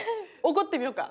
怒ってみようか。